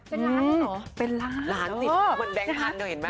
เป็นล้านเป็นแบงค์ทันเห็นไหมล่ะ